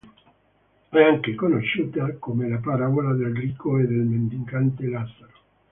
È anche conosciuta come la Parabola del Ricco e del mendicante Lazzaro.